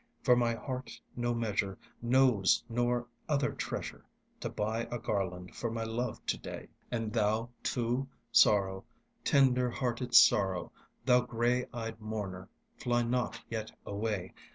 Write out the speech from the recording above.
For my heart no measure Knows, nor other treasure To buy a garland for my love to day. And thou too, Sorrow, tender hearted Sorrow, Thou grey eyed mourner, fly not yet away.